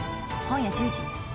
今夜１０時。